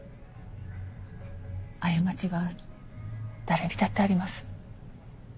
過ちは誰にだってあります。